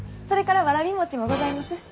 それからわらび餅もございます。